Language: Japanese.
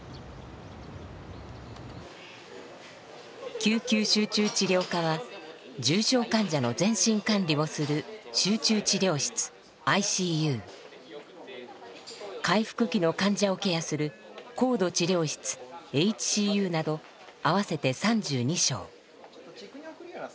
救急集中治療科は重症患者の全身管理をする「集中治療室ＩＣＵ」回復期の患者をケアする「高度治療室ＨＣＵ」など合わせて３２床。